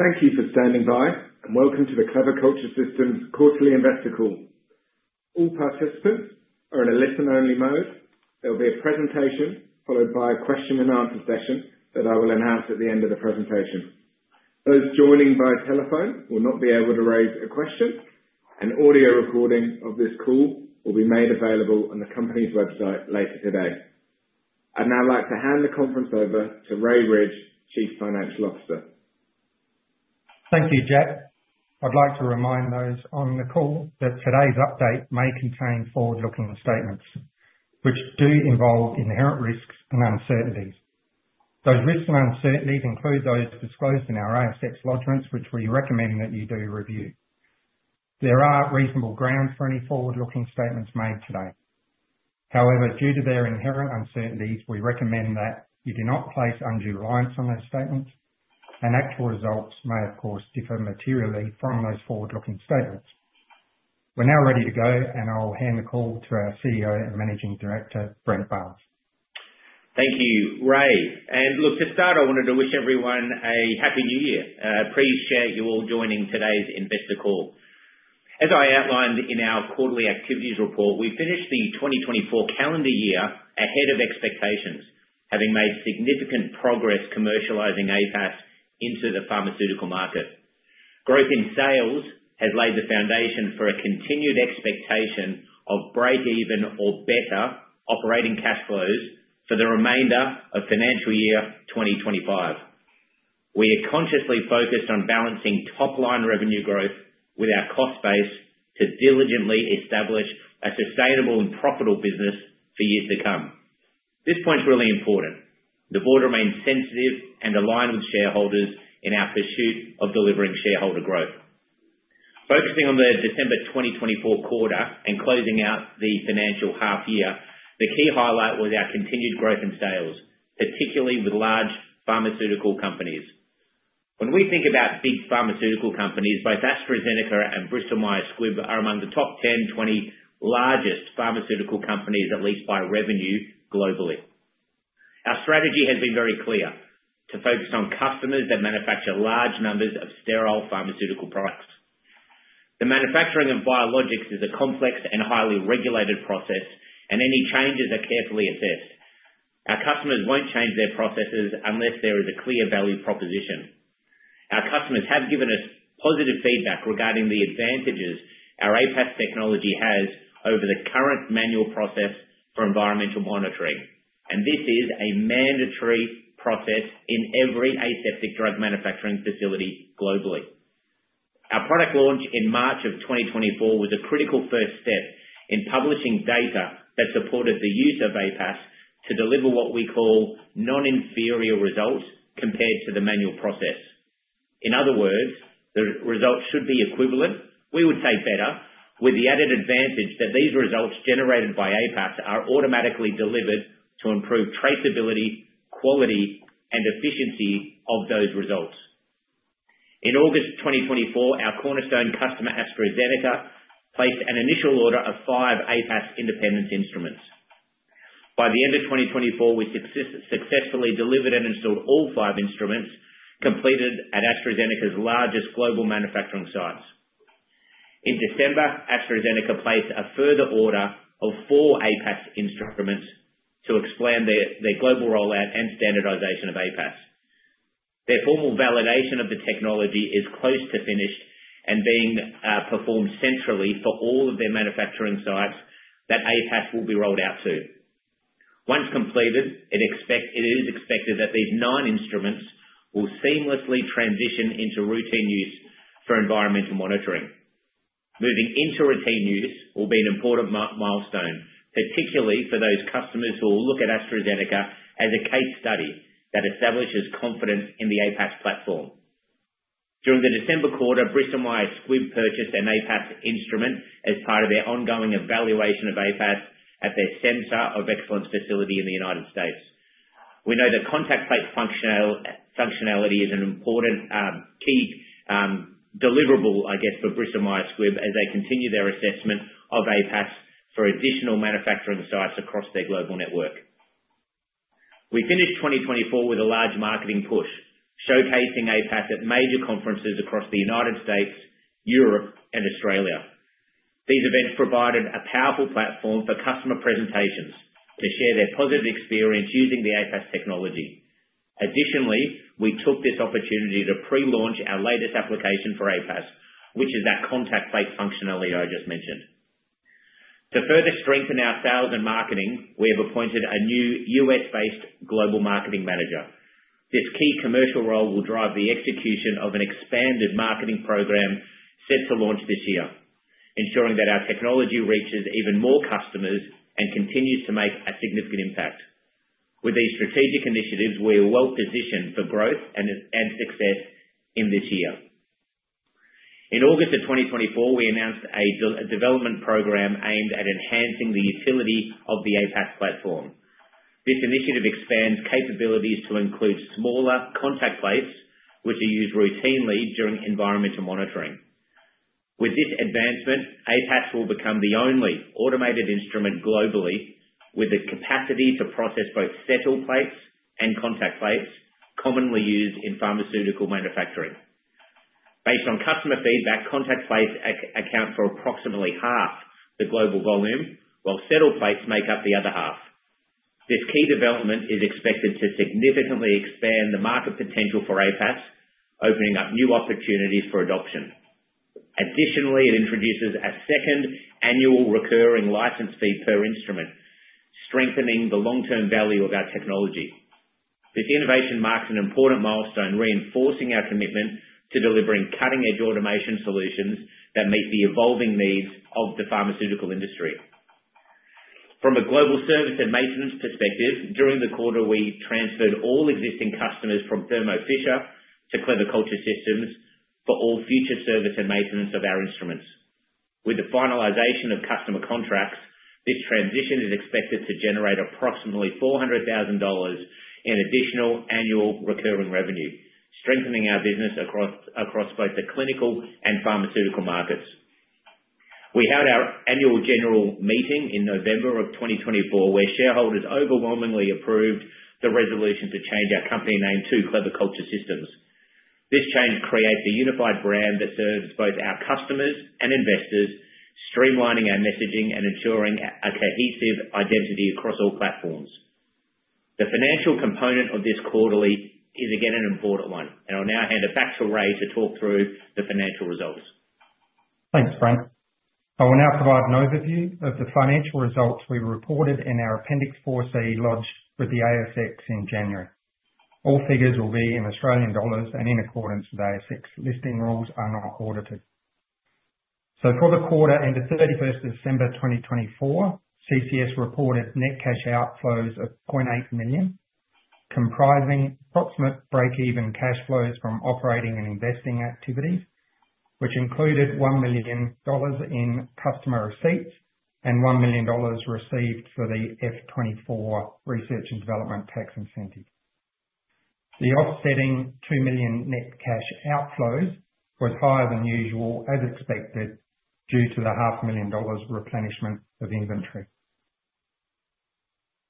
Thank you for standing by. Welcome to the Clever Culture Systems Quarterly Investor Call. All participants are in a listen-only mode. There will be a presentation followed by a question-and-answer session that I will announce at the end of the presentation. Those joining by telephone will not be able to raise a question, and audio recording of this call will be made available on the company's website later today. I'd now like to hand the conference over to Ray Ridge, Chief Financial Officer. Thank you, Jeff. I'd like to remind those on the call that today's update may contain forward-looking statements which do involve inherent risks and uncertainties. Those risks and uncertainties include those disclosed in our ASX lodgments, which we recommend that you do review. There are reasonable grounds for any forward-looking statements made today. However, due to their inherent uncertainties, we recommend that you do not place undue reliance on those statements, and actual results may, of course, differ materially from those forward-looking statements. We're now ready to go, and I'll hand the call to our CEO and Managing Director, Brent Barnes. Thank you, Ray. And look, to start, I wanted to wish everyone a Happy New Year. Pleased you're all joining today's Investor Call. As I outlined Quarterly Activities Report, we finished the 2024 calendar year ahead of expectations, having made significant progress commercializing APAS into the pharmaceutical market. Growth in sales has laid the foundation for a continued expectation of break-even or better operating cash flows for the remainder of Financial Year 2025. We are consciously focused on balancing top-line revenue growth with our cost base to diligently establish a sustainable and profitable business for years to come. This point's really important. The board remains sensitive and aligned with shareholders in our pursuit of delivering shareholder growth. Focusing on the December 2024 Quarter and closing out the financial half-year, the key highlight was our continued growth in sales, particularly with large pharmaceutical companies. When we think about big pharmaceutical companies, both AstraZeneca and Bristol-Myers Squibb are among the top 10-20 largest pharmaceutical companies, at least by revenue, globally. Our strategy has been very clear: to focus on customers that manufacture large numbers of sterile pharmaceutical products. The manufacturing of biologics is a complex and highly regulated process, and any changes are carefully assessed. Our customers won't change their processes unless there is a clear value proposition. Our customers have given us positive feedback regarding the advantages our APAS technology has over the current manual process for environmental monitoring, and this is a mandatory process in every aseptic drug manufacturing facility globally. Our product launch in March of 2024 was a critical first step in publishing data that supported the use of APAS to deliver what we call non-inferior results compared to the manual process. In other words, the results should be equivalent. We would say better, with the added advantage that these results generated by APAS are automatically delivered to improve traceability, quality, and efficiency of those results. In August 2024, our cornerstone customer, AstraZeneca, placed an initial order of five APAS Independence instruments. By the end of 2024, we successfully delivered and installed all five instruments completed at AstraZeneca's largest global manufacturing sites. In December, AstraZeneca placed a further order of four APAS instruments to explain their global rollout and standardization of APAS. Their formal validation of the technology is close to finished and being performed centrally for all of their manufacturing sites that APAS will be rolled out to. Once completed, it is expected that these nine instruments will seamlessly transition into routine use for environmental monitoring. Moving into routine use will be an important milestone, particularly for those customers who will look at AstraZeneca as a case study that establishes confidence in the APAS platform. During the December quarter, Bristol-Myers Squibb purchased an APAS instrument as part of their ongoing evaluation of APAS at their Center of Excellence facility in the United States. We know that contact plate functionality is an important key deliverable, I guess, for Bristol-Myers Squibb as they continue their assessment of APAS for additional manufacturing sites across their global network. We finished 2024 with a large marketing push, showcasing APAS at major conferences across the United States, Europe, and Australia. These events provided a powerful platform for customer presentations to share their positive experience using the APAS technology. Additionally, we took this opportunity to pre-launch our latest application for APAS, which is that contact plate functionality I just mentioned. To further strengthen our sales and marketing, we have appointed a new U.S.-based global marketing manager. This key commercial role will drive the execution of an expanded marketing program set to launch this year, ensuring that our technology reaches even more customers and continues to make a significant impact. With these strategic initiatives, we are well positioned for growth and success in this year. In August of 2024, we announced a development program aimed at enhancing the utility of the APAS platform. This initiative expands capabilities to include smaller contact plates, which are used routinely during environmental monitoring. With this advancement, APAS will become the only automated instrument globally with the capacity to process both settle plates and contact plates commonly used in pharmaceutical manufacturing. Based on customer feedback, contact plates account for approximately half the global volume, while settle plates make up the other half. This key development is expected to significantly expand the market potential for APAS, opening up new opportunities for adoption. Additionally, it introduces a second annual recurring license fee per instrument, strengthening the long-term value of our technology. This innovation marks an important milestone reinforcing our commitment to delivering cutting-edge automation solutions that meet the evolving needs of the pharmaceutical industry. From a global service and maintenance perspective, during the quarter, we transferred all existing customers from Thermo Fisher to Clever Culture Systems for all future service and maintenance of our instruments. With the finalization of customer contracts, this transition is expected to generate approximately 400,000 dollars in additional annual recurring revenue, strengthening our business across both the clinical and pharmaceutical markets. We held our annual general meeting in November of 2024, where shareholders overwhelmingly approved the resolution to change our company name to Clever Culture Systems. This change creates a unified brand that serves both our customers and investors, streamlining our messaging and ensuring a cohesive identity across all platforms. The financial component of this quarterly is again an important one, and I'll now hand it back to Ray to talk through the financial results. Thanks, Brent. I will now provide an overview of the financial results we reported in our Appendix 4C lodged with the ASX in January. All figures will be in Australian dollars and in accordance with ASX Listing Rules are not audited. For the quarter end of 31st December 2024, CCS reported net cash outflows of 0.8 million, comprising approximate break-even cash flows from operating and investing activities, which included 1 million dollars in customer receipts and 1 million dollars received for the FY24 Research and Development Tax Incentive. The offsetting 2 million net cash outflows was higher than usual, as expected, due to the 500,000 dollars replenishment of inventory.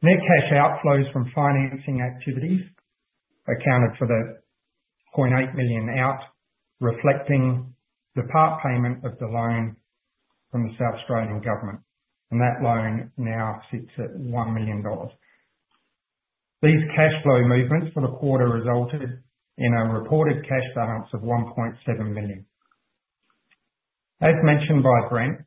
Net cash outflows from financing activities accounted for the 0.8 million out, reflecting the part payment of the loan from the South Australian Government, and that loan now sits at 1 million dollars. These cash flow movements for the quarter resulted in a reported cash balance of 1.7 million. As mentioned by Brent,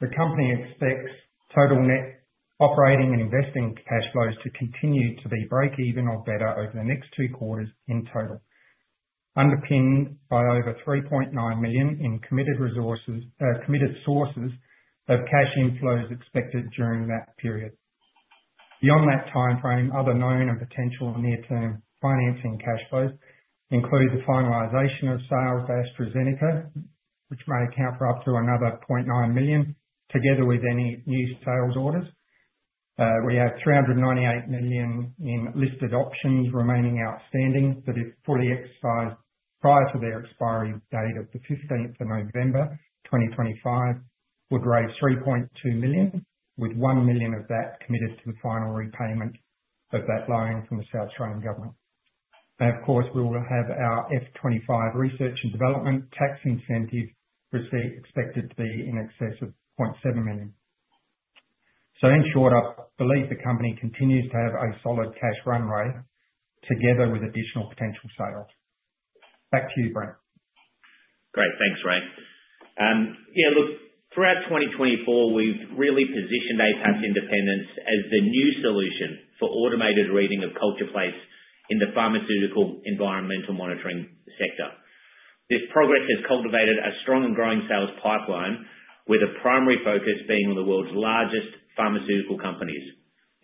the company expects total net operating and investing cash flows to continue to be break-even or better over the next two quarters in total, underpinned by over 3.9 million in committed sources of cash inflows expected during that period. Beyond that timeframe, other known and potential near-term financing cash flows include the finalization of sales for AstraZeneca, which may account for up to another 0.9 million, together with any new sales orders. We have 398 million in listed options remaining outstanding that, if fully exercised prior to their expiry date of the 15th of November 2025, would raise 3.2 million, with 1 million of that committed to the final repayment of that loan from the South Australian Government. And of course, we will have our F25 Research and Development Tax Incentive receipt expected to be in excess of 0.7 million. So in short, I believe the company continues to have a solid cash runway, together with additional potential sales. Back to you, Brent. Great. Thanks, Ray. Yeah, look, throughout 2024, we've really positioned APAS Independence as the new solution for automated reading of culture plates in the pharmaceutical environmental monitoring sector. This progress has cultivated a strong and growing sales pipeline, with a primary focus being on the world's largest pharmaceutical companies.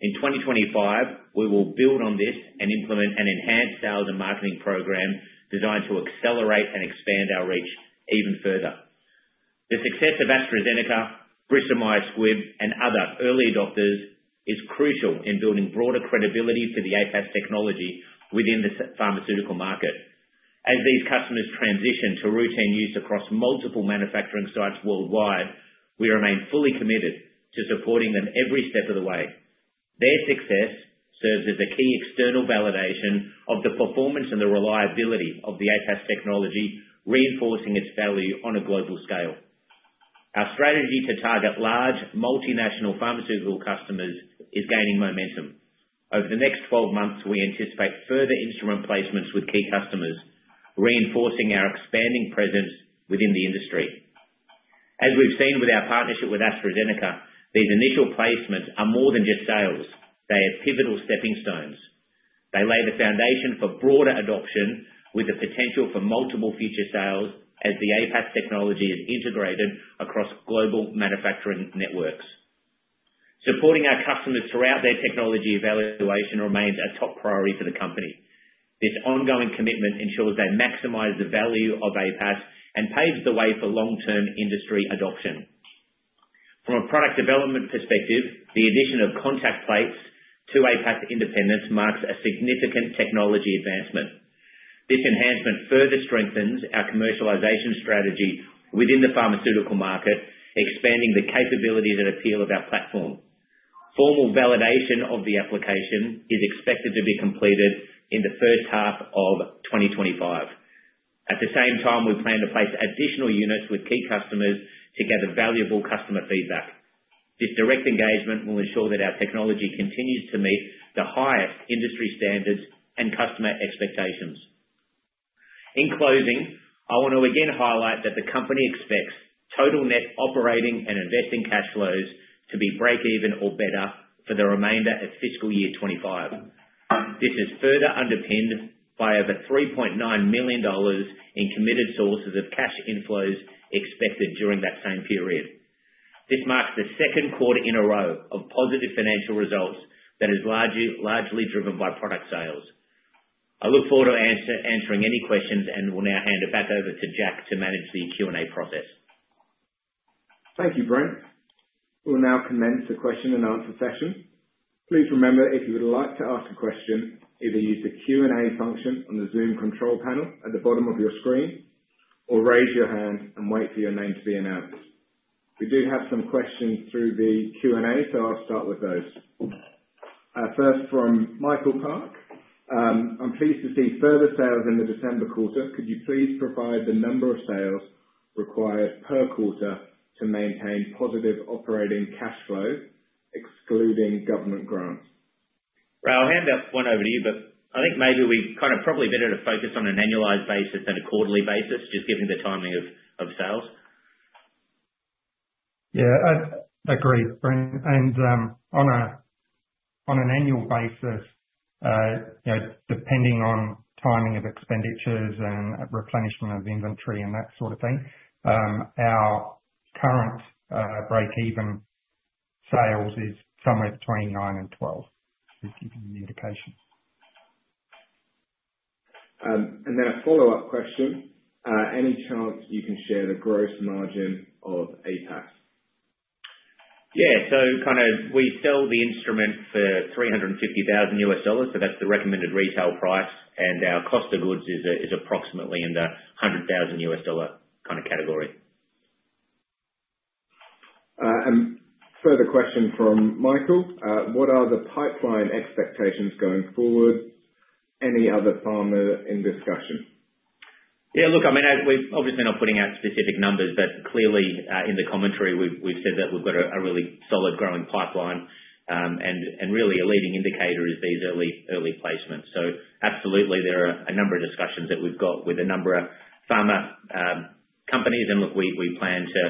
In 2025, we will build on this and implement an enhanced sales and marketing program designed to accelerate and expand our reach even further. The success of AstraZeneca, Bristol-Myers Squibb, and other early adopters is crucial in building broader credibility for the APAS technology within the pharmaceutical market. As these customers transition to routine use across multiple manufacturing sites worldwide, we remain fully committed to supporting them every step of the way. Their success serves as a key external validation of the performance and the reliability of the APAS technology, reinforcing its value on a global scale. Our strategy to target large, multinational pharmaceutical customers is gaining momentum. Over the next 12 months, we anticipate further instrument placements with key customers, reinforcing our expanding presence within the industry. As we've seen with our partnership with AstraZeneca, these initial placements are more than just sales. They are pivotal stepping stones. They lay the foundation for broader adoption, with the potential for multiple future sales as the APAS technology is integrated across global manufacturing networks. Supporting our customers throughout their technology evaluation remains a top priority for the company. This ongoing commitment ensures they maximize the value of APAS and paves the way for long-term industry adoption. From a product development perspective, the addition of contact plates to APAS Independence marks a significant technology advancement. This enhancement further strengthens our commercialization strategy within the pharmaceutical market, expanding the capabilities and appeal of our platform. Formal validation of the application is expected to be completed in the first half of 2025. At the same time, we plan to place additional units with key customers to gather valuable customer feedback. This direct engagement will ensure that our technology continues to meet the highest industry standards and customer expectations. In closing, I want to again highlight that the company expects total net operating and investing cash flows to be break-even or better for the remainder of FY 25. This is further underpinned by over 3.9 million dollars in committed sources of cash inflows expected during that same period. This marks the Q2 in a row of positive financial results that is largely driven by product sales. I look forward to answering any questions and will now hand it back over to Jack to manage the Q&A process. Thank you, Brent. We'll now commence the question and answer session. Please remember, if you would like to ask a question, either use the Q&A function on the Zoom control panel at the bottom of your screen or raise your hand and wait for your name to be announced. We do have some questions through the Q&A, so I'll start with those. First, from Michael Carr. I'm pleased to see further sales in the December quarter. Could you please provide the number of sales required per quarter to maintain positive operating cash flow, excluding government grants? Ray, I'll hand that one over to you, but maybe we kind of probably better to focus on an annualized basis than a quarterly basis, just given the timing of sales. Yeah, I agree, Brent. And on an annual basis, depending on timing of expenditures and replenishment of inventory and that sort of thing, our current break-even sales is somewhere between 9 and 12, to give you an indication. A follow-up question. Any chance you can share the gross margin of APAS? Yeah, so kind of we sell the instrument for AUD 350,000, so that's the recommended retail price, and our cost of goods is approximately in the AUD 100,000 kind of category. Further question from Michael. What are the pipeline expectations going forward? Any other pharma in discussion? Yeah, look, we're obviously not putting out specific numbers, but clearly in the commentary, we've said that we've got a really solid growing pipeline, and really a leading indicator is these early placements. So absolutely, there are a number of discussions that we've got with a number of pharma companies, and look, we plan to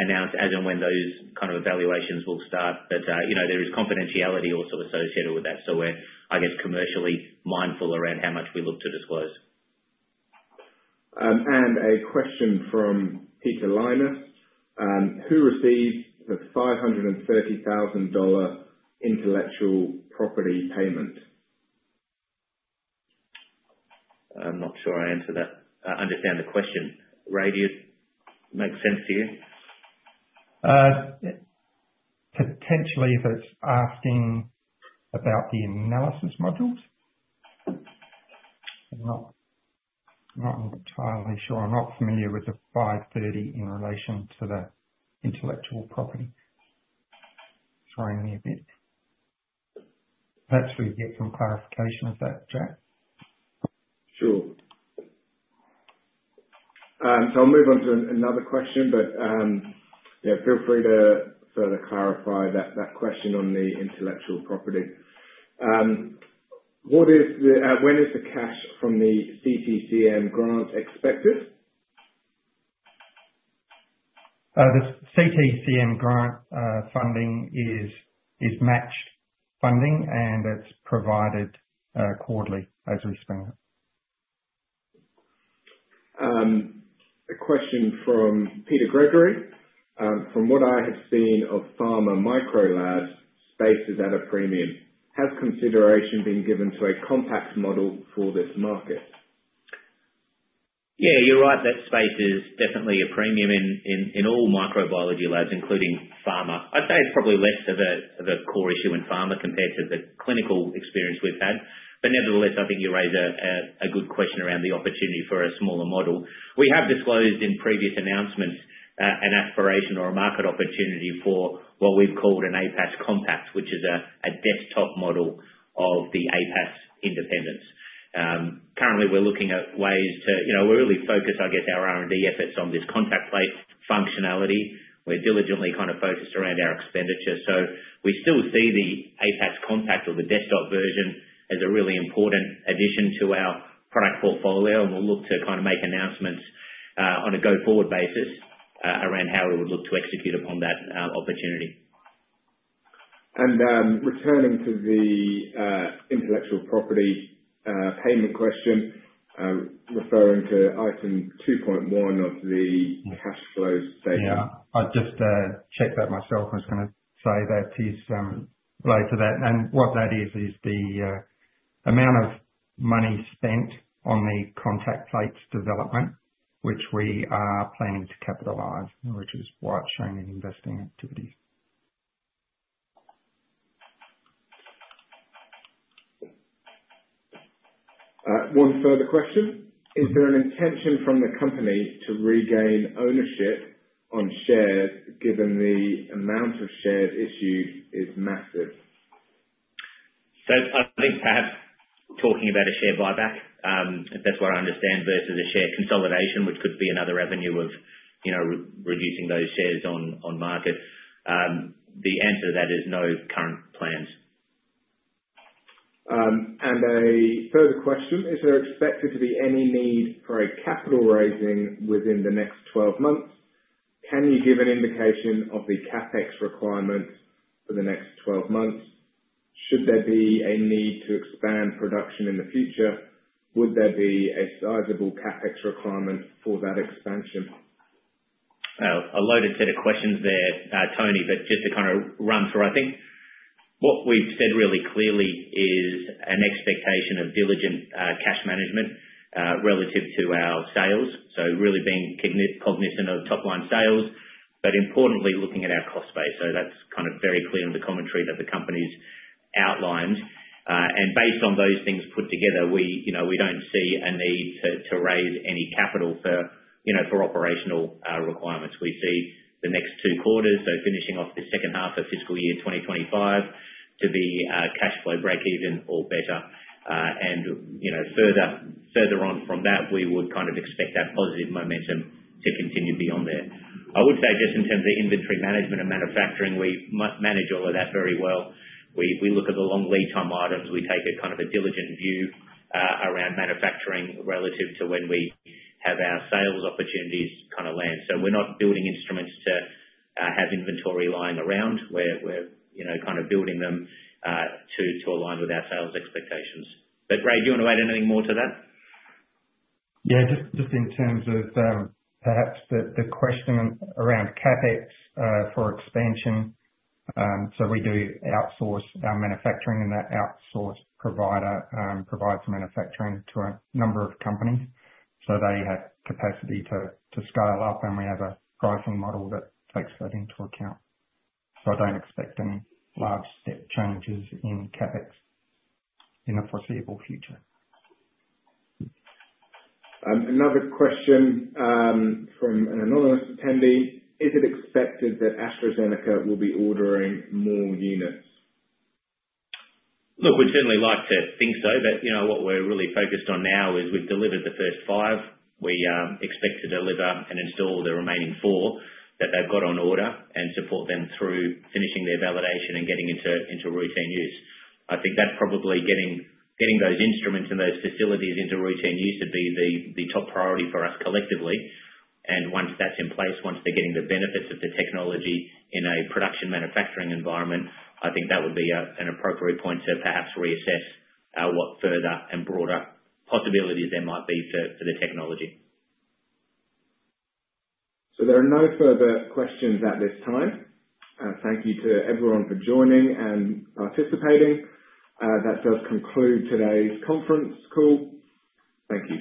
announce as and when those kind of evaluations will start, but there is confidentiality also associated with that, so we're commercially mindful around how much we look to disclose. A question from Peter Linus. Who received the 530,000 dollar intellectual property payment? I'm not sure I answered that. I understand the question. Ray, does that make sense to you? Potentially, if it's asking about the analysis modules. I'm not entirely sure. I'm not familiar with the 530 in relation to the intellectual property. It's worrying me a bit. Perhaps we can get some clarification of that, Jack. Sure. So I'll move on to another question but feel free to further clarify that question on the intellectual property. When is the cash from the CTCM grant expected? The CTCM grant funding is matched funding, and it's provided quarterly as we spend it. A question from Peter Gregory. From what I have seen of pharma micro labs, space is at a premium. Has consideration been given to a compact model for this market? Yeah, you're right. That space is definitely at a premium in all microbiology labs, including pharma. I'd say it's probably less of a core issue in pharma compared to the clinical experience we've had, but nevertheless, I think you raised a good question around the opportunity for a smaller model. We have disclosed in previous announcements an aspiration or a market opportunity for what we've called an APAS Compact, which is a desktop model of the APAS Independence. Currently, we're looking at ways to really focus, I guess, our R&D efforts on this contact plate functionality. We're diligently kind of focused around our expenditure, so we still see the APAS Compact or the desktop version as a really important addition to our product portfolio, and we'll look to kind of make announcements on a go-forward basis around how we would look to execute upon that opportunity. Returning to the intellectual property payment question, referring to item 2.1 of the cash flows statement. Yeah, I'd just check that myself. I was going to say that he's related to that, and what that is, is the amount of money spent on the contact plates development, which we are planning to capitalize, which is why it's shown in investing activities. One further question. Is there an intention from the company to regain ownership on shares, given the amount of shares issued is massive? Perhaps talking about a share buyback, if that's what I understand, versus a share consolidation, which could be another avenue of reducing those shares on market. The answer to that is no current plans. A further question. Is there expected to be any need for a capital raising within the next 12 months? Can you give an indication of the CapEx requirements for the next 12 months? Should there be a need to expand production in the future, would there be a sizable CapEx requirement for that expansion? A loaded set of questions there, Tony, but just to kind of run through. What we've said really clearly is an expectation of diligent cash management relative to our sales, so really being cognizant of top-line sales, but importantly, looking at our cost base. So that's kind of very clear in the commentary that the company's outlined. And based on those things put together, we don't see a need to raise any capital for operational requirements. We see the next two quarters, so finishing off the second half of FY 2025, to be cash flow break-even or better. And further on from that, we would kind of expect that positive momentum to continue beyond there. I would say just in terms of inventory management and manufacturing, we manage all of that very well. We look at the long lead time items. We take a kind of diligent view around manufacturing relative to when we have our sales opportunities kind of land. So we're not building instruments to have inventory lying around. We're kind of building them to align with our sales expectations. But Ray, do you want to add anything more to that? Yeah, just in terms of perhaps the questioning around CapEx for expansion. So we do outsource our manufacturing, and that outsource provider provides manufacturing to a number of companies. So they have capacity to scale up, and we have a pricing model that takes that into account. So I don't expect any large step changes in CapEx in the foreseeable future. Another question from an anonymous attendee. Is it expected that AstraZeneca will be ordering more units? Look, we'd certainly like to think so, but what we're really focused on now is we've delivered the first five. We expect to deliver and install the remaining four that they've got on order and support them through finishing their validation and getting into routine use. That probably getting those instruments and those facilities into routine use would be the top priority for us collectively, and once that's in place, once they're getting the benefits of the technology in a production manufacturing environment, that would be an appropriate point to perhaps reassess what further and broader possibilities there might be for the technology. So there are no further questions at this time. Thank you to everyone for joining and participating. That does conclude today's conference call. Thank you.